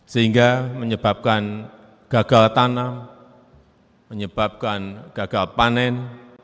sehingga menyebabkan gagal tanam menyebabkan gagal panen